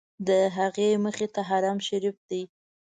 د هغې مخې ته حرم شریف دی.